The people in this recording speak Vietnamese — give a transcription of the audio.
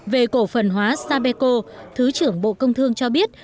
về cổ phần hóa sapeco thứ trưởng bộ công thương cho biết